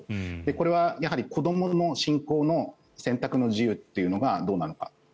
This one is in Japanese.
これは子どもの信仰の選択の自由というのがどうなのか。